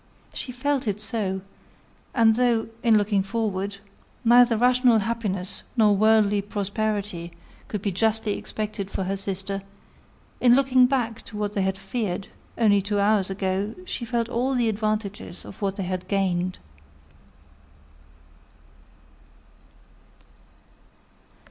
She felt it so; and though, in looking forward, neither rational happiness, nor worldly prosperity could be justly expected for her sister, in looking back to what they had feared, only two hours ago, she felt all the advantages of what they had gained.